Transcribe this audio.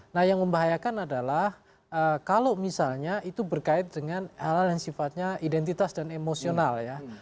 nah yang membahayakan adalah kalau misalnya itu berkait dengan hal hal yang sifatnya identitas dan emosional ya